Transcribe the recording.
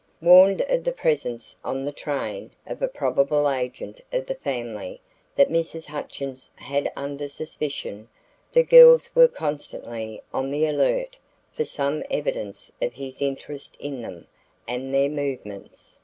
Warned of the presence on the train of a probable agent of the family that Mrs. Hutchins had under suspicion, the girls were constantly on the alert for some evidence of his interest in them and their movements.